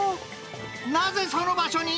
なぜその場所に？